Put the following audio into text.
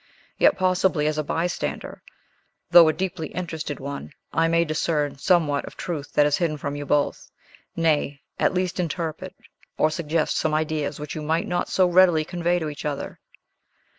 Yet, possibly as a bystander, though a deeply interested one, I may discern somewhat of truth that is hidden from you both; nay, at least interpret or suggest some ideas which you might not so readily convey to each other."